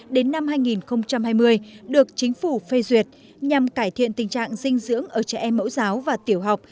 đến năm hai nghìn hai mươi được chính phủ phê duyệt nhằm cải thiện tình trạng dinh dưỡng ở trẻ em mẫu giáo và tiểu học